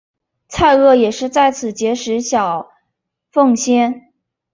蔡锷也是在此结识小凤仙。